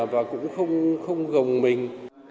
và cũng không gồng mình